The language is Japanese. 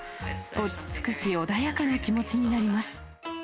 落ち着くし、穏やかな気持ちになります。